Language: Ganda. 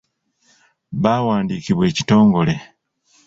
Baawandiikibwa ekitongole.